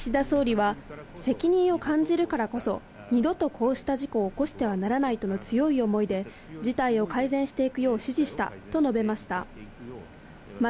岸田総理は責任を感じるからこそ、二度とこうした事故を起こしてはならないとの強い思いで事態を改善していくよう指示したと述べました。